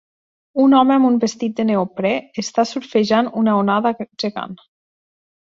Un home amb un vestit de neoprè està surfejant una onada gegant.